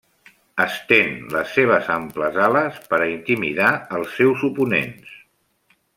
Estén les seves amples ales per a intimidar els seus oponents.